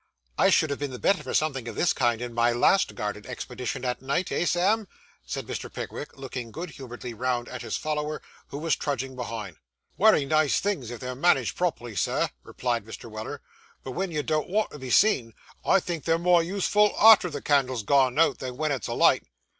'I should have been the better for something of this kind, in my last garden expedition, at night; eh, Sam?' said Mr. Pickwick, looking good humouredly round at his follower, who was trudging behind. 'Wery nice things, if they're managed properly, Sir,' replied Mr. Weller; 'but wen you don't want to be seen, I think they're more useful arter the candle's gone out, than wen it's alight.' Mr.